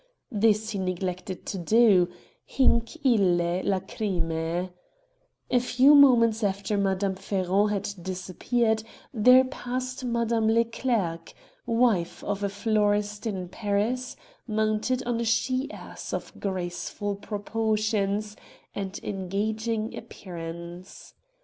This he neglected to do — Hinc UI<b lacrymce, A few moments after Madame Ferron had disappeared there passed Madame Leclerc, wife of a florist in Paris, mounted on a she ass of graceful proportions and engaging appearance.